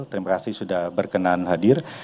terima kasih sudah berkenan hadir